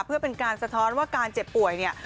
เพื่อเป็นการสะท้อนว่าการเจ็บป่วยเนี่ย